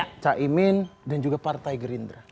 pak caimin dan juga partai gerindra